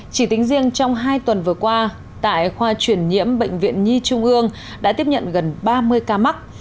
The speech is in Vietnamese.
chỉ tính riêng trong hai tuần vừa qua tại khoa chuyển nhiễm bệnh viện nhi trung ương đã tiếp nhận gần ba mươi ca mắc